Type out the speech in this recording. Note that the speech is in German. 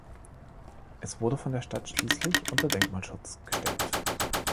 Es wurde von der Stadt schließlich unter Denkmalschutz gestellt.